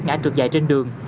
ngã trượt dạy trên đường